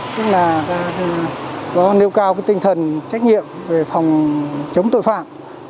tức là nó nêu cao tinh thần trách nhiệm về phòng chống tội phạm